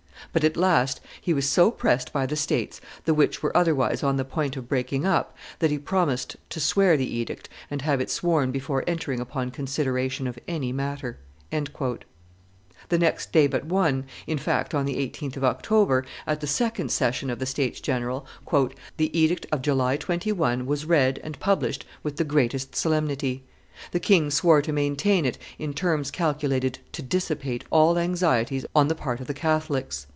But, at last, he was so pressed by the states, the which were otherwise on the point of breaking up, that he promised to swear the edict and have it sworn before entering upon consideration of any matter." The next day but one, in fact, on the 18th of October, at the second session of the states general, "the edict of July 21 was read and published with the greatest solemnity; the king swore to maintain it in terms calculated to dissipate all anxieties on the part of the Catholics.